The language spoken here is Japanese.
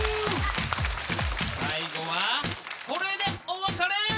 最後はこれでお別れ！